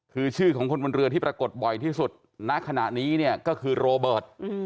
คือชื่อของคนบนเรือที่ปรากฏบ่อยที่สุดณขณะนี้เนี่ยก็คือโรเบิร์ต